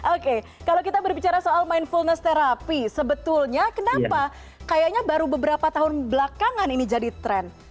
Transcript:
oke kalau kita berbicara soal mindfulness terapi sebetulnya kenapa kayaknya baru beberapa tahun belakangan ini jadi tren